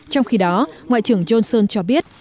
trong khi đó ngoại trưởng johnson cho biết